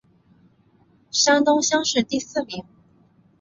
山东乡试第四名。